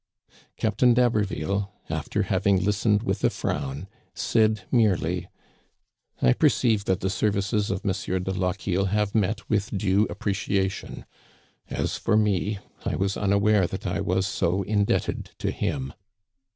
Cap tain d'Haberville, after having listened with a frown, said merely : "I perceive that the services of M. de Lochiel have met with due appreciation. As for me, I was unaware that I was so indebted to him."